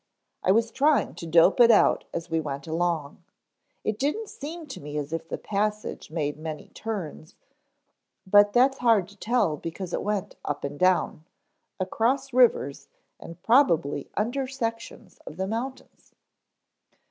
I was trying to dope it out as we went along. It didn't seem to me as if the passage made many turns, but that's hard to tell because it went up and down, across rivers and probably under sections of the mountains."